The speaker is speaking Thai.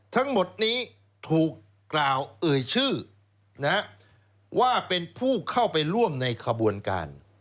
ทั้งหมดนี้ถูกกล่าวเอ่ยชื่อว่าเป็นผู้เข้าไปร่วมในขบวนการ